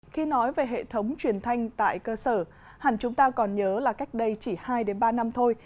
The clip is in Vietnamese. khi nói về hệ thống truyền thanh tại cơ sở hẳn chúng ta còn nhớ là cách đây chỉ hai ba năm thôi